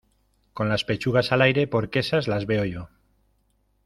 con las pechugas al aire, porque esas las veo yo